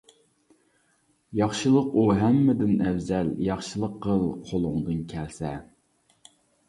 ياخشىلىق ئۇ ھەممىدىن ئەۋزەل، ياخشىلىق قىل قولۇڭدىن كەلسە.